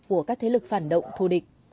của các thế lực phản động thù địch